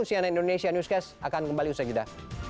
sian indonesia newscast akan kembali usai kita